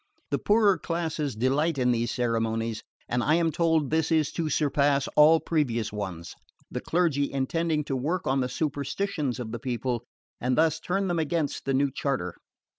The poorer classes delight in these ceremonies, and I am told this is to surpass all previous ones, the clergy intending to work on the superstitions of the people and thus turn them against the new charter.